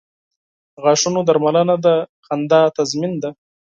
• د غاښونو درملنه د مسکا تضمین ده.